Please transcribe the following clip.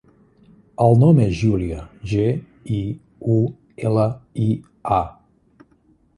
El nom és Giulia: ge, i, u, ela, i, a.